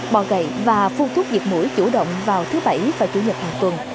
bò gậy và phun thuốc diệt mũi chủ động vào thứ bảy và chủ nhật hàng tuần